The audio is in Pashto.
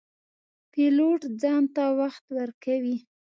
پیلوټ ځان ته وخت ورکوي.